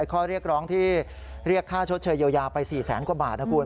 ข้อเรียกร้องที่เรียกค่าชดเชยเยียวยาไป๔แสนกว่าบาทนะคุณ